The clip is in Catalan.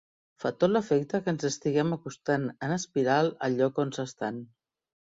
Fa tot l'efecte que ens estiguem acostant en espiral al lloc on s'estan.